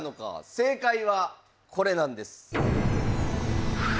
正解はこれなんです。